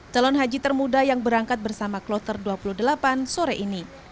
calon haji termuda yang berangkat bersama kloter dua puluh delapan sore ini